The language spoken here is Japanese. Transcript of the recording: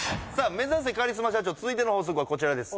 「目指せカリスマ社長」続いての法則はこちらです